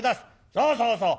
そうそうそう。